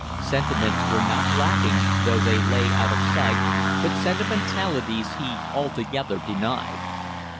Sentiments were not lacking, though they lay out of sight, but sentimentalities he altogether denied.